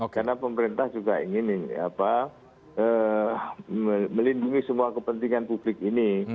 karena pemerintah juga ingin melindungi semua kepentingan publik ini